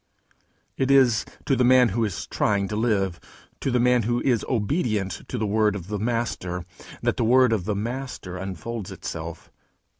It is to the man who is trying to live, to the man who is obedient to the word of the Master, that the word of the Master unfolds itself.